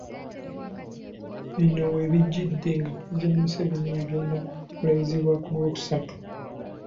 Bino we bijjidde nga Pulezidenti Museveni agenda kulayizibwa ku Lwokusatu.